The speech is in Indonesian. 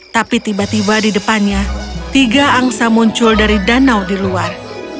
tapi tiba tiba di depannya tiga angsa muncul dari danau di luar